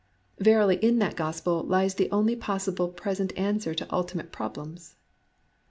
Yerily in that gospel lies the only possible present answer to ultimate problems.